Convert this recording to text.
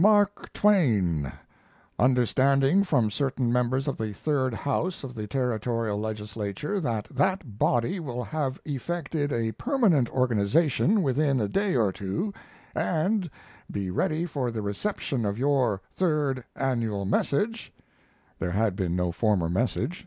MARK TWAIN, Understanding from certain members of the Third House of the territorial Legislature that that body will have effected a permanent organization within a day or two, and be ready for the reception of your Third Annual Message, [ There had been no former message.